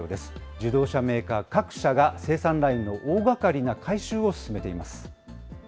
自動車メーカー各社が生産ラインの大がかりな改修を進めています。